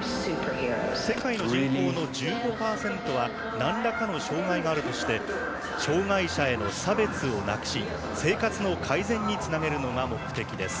世界の人口の１５％はなんらかの障がいがあるとして障がい者への差別をなくし生活の改善につなげるのが目的です。